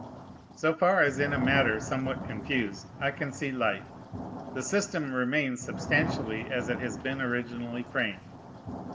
So far as in a matter somewhat confused I can see light, the system remains substantially as it has been originally framed.